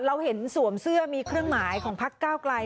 เราเห็นสวมเสื้อมีเครื่องหมายของพักเก้าไกล